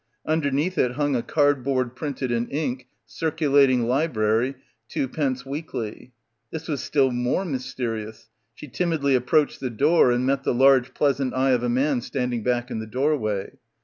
Underneath it hung a card board printed in ink, "Circulating Library, 2d. weekly." This was still more mysterious. She timidly approached the door and met the large pleasant eye of a man standing back in the door way.